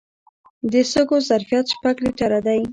د سږو ظرفیت شپږ لیټره دی.